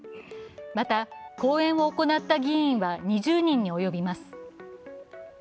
また、講演を行った議員は２０人に及びます。